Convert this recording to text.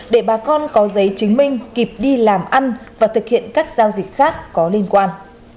để bà con có giấy chứng minh kịp đi làm ăn và thực hiện các giao dịch khác có liên quan